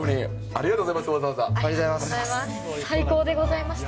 ありがとうございます。